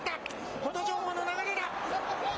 琴勝峰の流れだ。